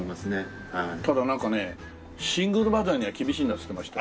ただなんかねシングルマザーには厳しいんだって言ってましたよ。